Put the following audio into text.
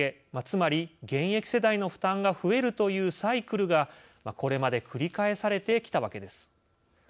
つまり現役世代の負担が増えるというサイクルがこれまで繰り返されてきたわけです。